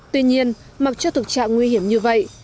tuy nhiên mặc cho thực trạng nguy hiểm như vậy